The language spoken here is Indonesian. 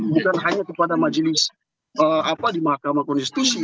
bukan hanya kepada majelis di mahkamah konstitusi